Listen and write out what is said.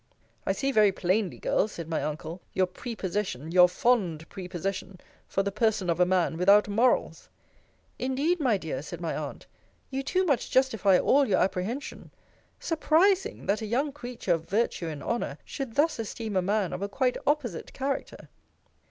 I see very plainly, girl, said my uncle, your prepossession, your fond prepossession, for the person of a man without morals. Indeed, my dear, said my aunt, you too much justify all your apprehension. Surprising! that a young creature of virtue and honour should thus esteem a man of a quite opposite character!